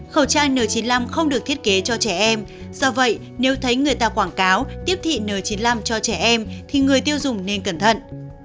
khẩu trang n chín mươi năm không được thiết kế cho trẻ em do vậy nếu thấy người ta quảng cáo tiếp thị n chín mươi năm cho trẻ em thì người tiêu dùng nên cẩn thận